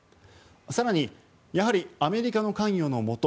更に、アメリカの関与のもと